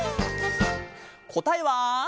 「こたえは」